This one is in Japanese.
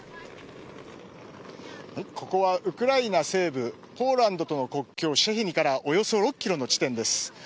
ここはウクライナ西部ポーランドとの国境シェヒニからおよそ６キロの地点です。